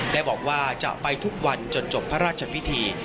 ได้บอกว่าจะไปทุกวันจนจบพระราชพิธี